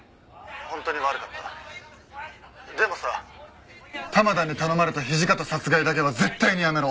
本当に悪かった」でもさ玉田に頼まれた土方殺害だけは絶対にやめろ。